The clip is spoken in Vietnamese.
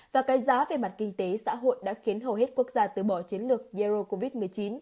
và cái giá về mặt kinh tế xã hội đã khiến hầu hết quốc gia tứ bỏ chiến lược zero covid một mươi chín